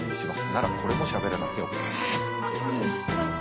ならこれもしゃべらなくてよかった。